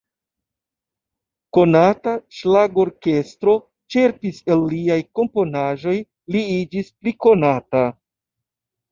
Konata ŝlagrorkestro ĉerpis el liaj komponaĵoj, li iĝis pli konata.